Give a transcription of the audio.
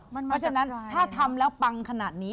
เพราะฉะนั้นถ้าทำแล้วปังขนาดนี้